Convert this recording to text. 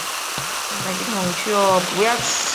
扫扫地、整理货物等等